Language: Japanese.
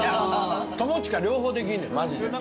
友近両方できんねんマジで。